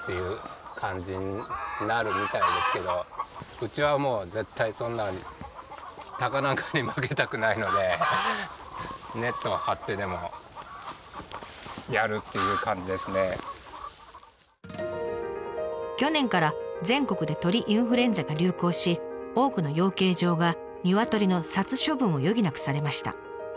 うちはもう絶対そんな去年から全国で鳥インフルエンザが流行し多くの養鶏場がニワトリの殺処分を余儀なくされました。